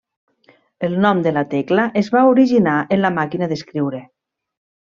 El nom de la tecla es va originar en la màquina d'escriure.